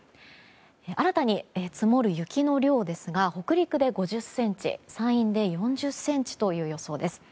新たに積もる雪の量ですが北陸で５０ｃｍ山陰で４０ｃｍという予想です。